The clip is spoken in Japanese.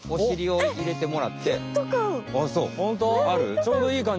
ちょうどいいかんじ？